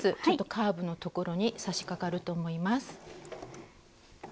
ちょっとカーブのところにさしかかると思います。